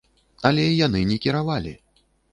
Але яны не кіравалі!